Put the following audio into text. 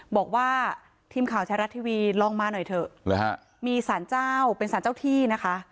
บอกว่าทีมข่าวชายรัฐทีวีลองมาหน่อยเถอะฮะมีสารเจ้าเป็นสารเจ้าที่นะคะ